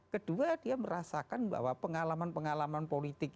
kedua dia merasakan bahwa pengalaman pengalaman politik